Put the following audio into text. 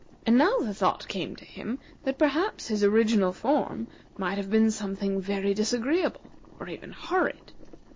And now the thought came to him that perhaps his original form might have been something very disagreeable, or even horrid.